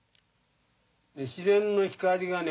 自然の光がね